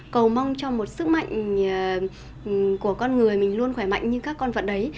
cầu mong cho một sức mạnh của con người mình luôn khỏe mạnh như các con vận đấy